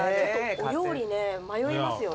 お料理ね迷いますよね。